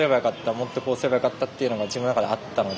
もっとこうすればよかったっていうのが自分の中であったので。